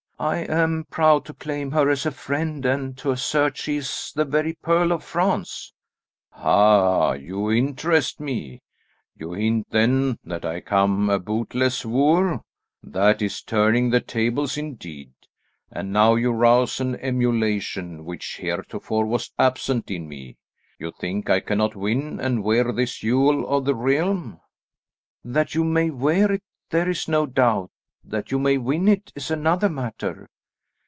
"I am proud to claim her as a friend, and to assert she is the very pearl of France." "Ha, you interest me. You hint, then, that I come a bootless wooer? That is turning the tables indeed, and now you rouse an emulation which heretofore was absent in me. You think I cannot win and wear this jewel of the realm?" "That you may wear it there is no doubt; that you may win it is another matter.